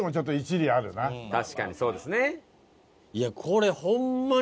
確かにそうですね。